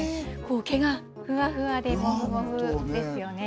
毛がふわふわでもふもふですよね。